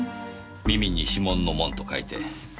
耳に指紋の紋と書いて「耳紋」。